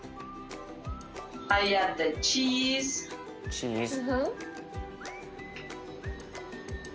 チーズ。